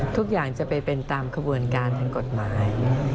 ทุกอย่างจะไปเป็นตามขบวนการทางกฎหมาย